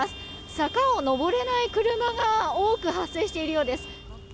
坂を上れない車が多く発生しているようです。